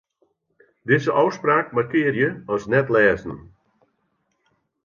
Dizze ôfspraak markearje as net-lêzen.